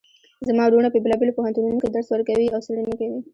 زما وروڼه په بیلابیلو پوهنتونونو کې درس ورکوي او څیړنې کوی